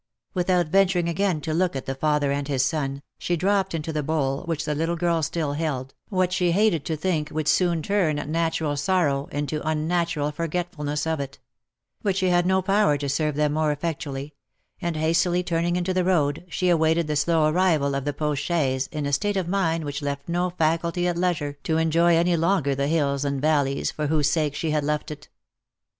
Without venturing again to look at the father and his son, she dropped into the bowl, which the little girl still held, what she hated to think would soon turn natural sor row into unnatural forgetfulness of it : but she had no power to serve them more effectually, and hastily turning into the road, she awaited, the slow arrival of the post chaise in a state of mind which left no faculty at leisure to enjoy any longer the hills and valleys for whose sake she had left it.